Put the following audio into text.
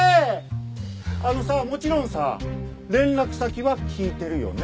あのさもちろんさ連絡先は聞いてるよね？